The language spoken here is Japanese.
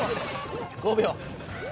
５秒。